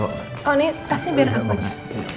oh ini tasnya biar apa aja